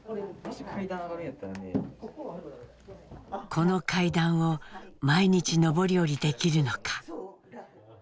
この階段を毎日上り下りできるのか。